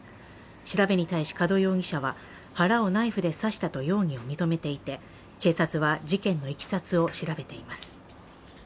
調べに対し門容疑者は腹をナイフで刺したと容疑を認めていて、警察は事件のいきさつを調べています。